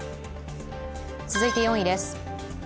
続いて４位です。